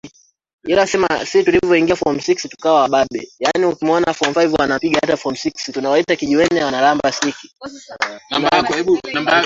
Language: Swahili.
mengine yalipanda kwa urahisi Kwa kushangaza katika